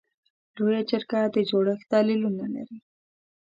لویه جرګه د جوړښت دلیلونه لري.